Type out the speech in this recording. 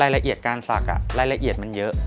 รายละเอียดการศักดิ์รายละเอียดมันเยอะ